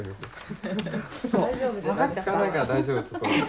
使わないから大丈夫です。